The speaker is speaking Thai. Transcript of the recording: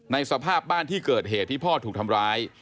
สภาพบ้านที่เกิดเหตุที่พ่อถูกทำร้าย